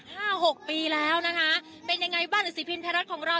หกปีแล้วนะคะเป็นยังไงบ้านหนังสือพิมพ์ไทยรัฐของเรา